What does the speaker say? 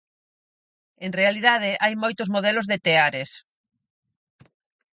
En realidade hai moitos modelos de teares.